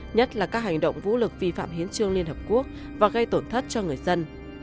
nhất là các hành động vũ lực vi phạm hiến trương liên hợp quốc và gây tổn thất cho người dân